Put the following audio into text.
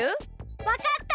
わかった！